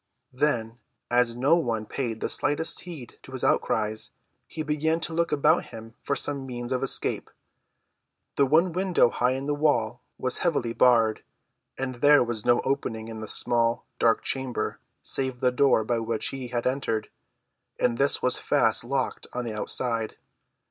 Then, as no one paid the slightest heed to his outcries, he began to look about him for some means of escape. The one window high in the wall was heavily barred, and there was no opening in the small, dark chamber save the door by which he had entered, and this was fast locked on the outside.